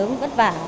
sớm vất vả